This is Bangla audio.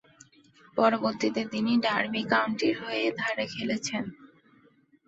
পরবর্তীতে তিনি ডার্বি কাউন্টির হয়ে ধারে খেলেছেন।